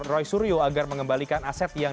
roy suryo agar mengembalikan aset yang